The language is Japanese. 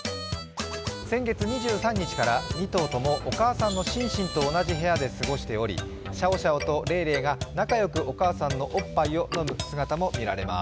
先月２３日から２頭ともお母さんのシンシンと同じ部屋で過ごしておりシャオシャオとレイレイが仲良くお母さんのおっぱいを飲む姿も見られます。